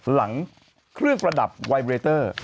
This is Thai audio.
หลังเครื่องประดับไวเรเตอร์